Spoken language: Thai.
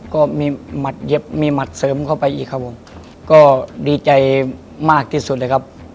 ก็มีหมัดเย็บมีหมัดเสริมเข้าไปอีกครับผมก็ดีใจมากที่สุดเลยครับ